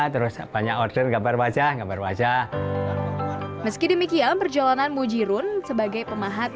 terus banyak order gambar wajah gambar wajah meski demikian perjalanan mujirun sebagai pemahat